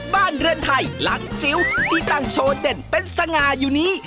บ้านเรือนไทยหลังจิ๋วที่ตั้งโชว์เด่นเป็นสง่าอยู่นี้